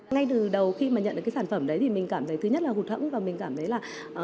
ngay từ đầu khi mà nhận được cái sản phẩm đấy thì mình cảm thấy thứ nhất là hụt hẫn và mình cảm thấy là